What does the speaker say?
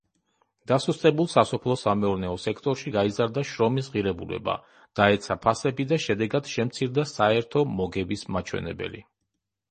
დასუსტებულ სასოფლო-სამეურნეო სექტორში გაიზარდა შრომის ღირებულება, დაეცა ფასები და შედეგად, შემცირდა საერთო მოგების მაჩვენებელი.